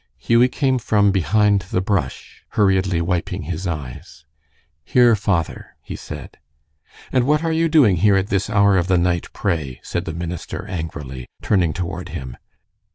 Hughie came from behind the brush, hurriedly wiping his eyes. "Here, father," he said. "And what are you doing here at this hour of the night, pray?" said the minister, angrily, turning toward him.